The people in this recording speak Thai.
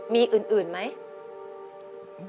มีอื่นไหม